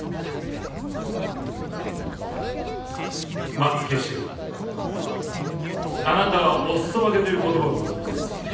松木シェフあなたはお裾分けという言葉をご存じですよね？